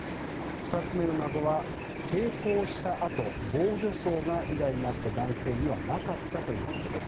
２つ目の謎は抵抗した痕防御創が被害に遭った男性にはなかったということです。